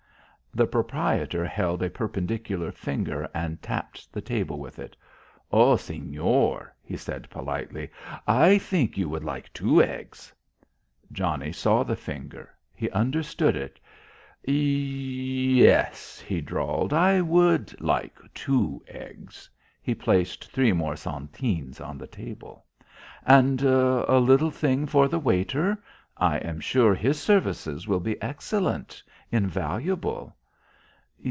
The proprietor held a perpendicular finger and tapped the table with it. "Oh, señor," he said politely, "I think you would like two eggs." Johnnie saw the finger. He understood it. "Ye e es," he drawled. "I would like two eggs." He placed three more centenes on the table. "And a little thing for the waiter? I am sure his services will be excellent, invaluable."